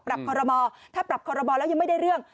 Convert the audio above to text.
คอรมอถ้าปรับคอรมอลแล้วยังไม่ได้เรื่อง